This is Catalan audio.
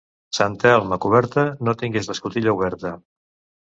Sant Elm a coberta, no tinguis l'escotilla oberta.